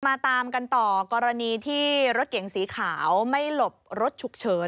ตามกันต่อกรณีที่รถเก๋งสีขาวไม่หลบรถฉุกเฉิน